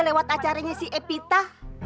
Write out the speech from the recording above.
lewat acaranya si epita